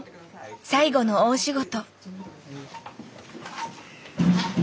最後の大仕事。